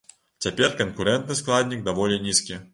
Цяпер канкурэнтны складнік даволі нізкі.